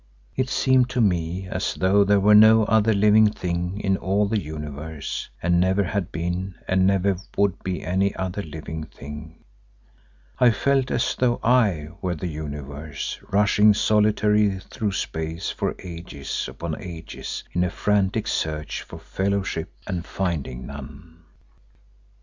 It seemed to me as though there were no other living thing in all the Universe and never had been and never would be any other living thing. I felt as though I were the Universe rushing solitary through space for ages upon ages in a frantic search for fellowship, and finding none.